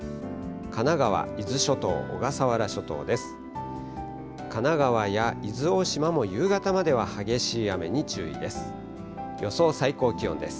神奈川、伊豆諸島、小笠原諸島です。